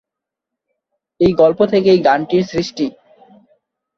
এই গল্প থেকেই গানটির সৃষ্টি।